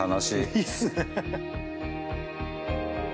いいっすね。